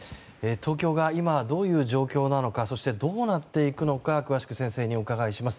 東京が今どういう状況なのかそして、どうなっていくのか詳しく先生にお伺いします。